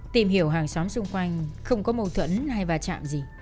tìm hiểu hàng xóm xung quanh không có mâu thuẫn hay va chạm gì